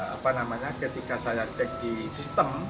apa namanya ketika saya cek di sistem